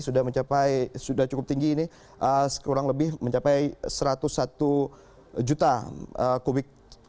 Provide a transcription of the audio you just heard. sudah mencapai sudah cukup tinggi ini kurang lebih mencapai satu ratus satu juta kubik